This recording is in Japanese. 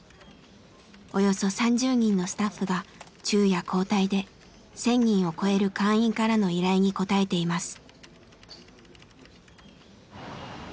およそ３０人のスタッフが昼夜交代で１，０００人を超える会員からの依頼に応えています。